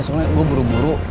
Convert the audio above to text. soalnya gue buru buru